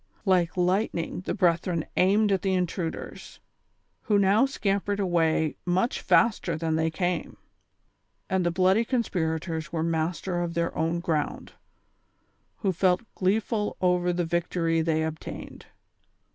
Like lightning the brethren aimed at the intruders, who now scampered away much faster than they came ; and the bloody conspirators were master of their own ground, who felt gleeful over the victory they obtained.